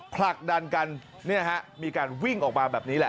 ผลักดันกันเนี่ยฮะมีการวิ่งออกมาแบบนี้แหละ